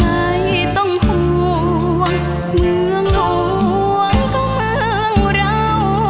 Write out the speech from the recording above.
ไม่ต้องห่วงเมืองหลวงก็เมืองเรา